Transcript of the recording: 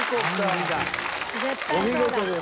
お見事です。